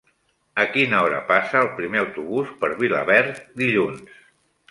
A quina hora passa el primer autobús per Vilaverd dilluns?